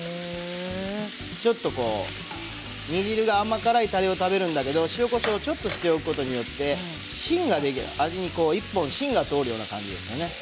ちょっと煮汁が甘辛いたれを食べるんだけど塩、こしょうをちょっとしておくことで味に１本芯が通るような感じですね。